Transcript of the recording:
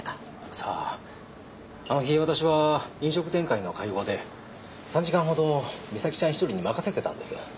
さぁあの日私は飲食店会の会合で３時間ほど美咲ちゃん１人に任せてたんです。